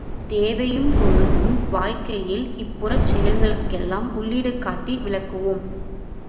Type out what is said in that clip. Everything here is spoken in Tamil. தேவையும் பொழுதும் வாய்க்கையில் இப் புறச்செயல்களுக்கெல்லாம் உள்ளீடு காட்டி விளக்குவோம்.